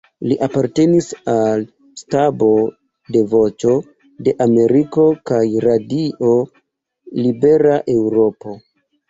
Li apartenis al stabo de Voĉo de Ameriko kaj Radio Libera Eŭropo.